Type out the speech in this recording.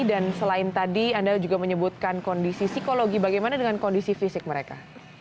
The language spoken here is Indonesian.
dan selain tadi anda juga menyebutkan kondisi psikologi bagaimana dengan kondisi fisik mereka